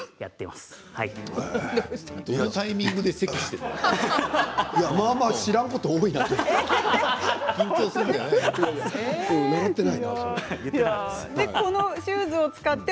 まあまあ知らんこと多いなと思って。